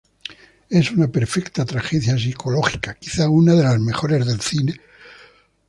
Es una perfecta tragedia psicológica, quizá una de las mejores del cine.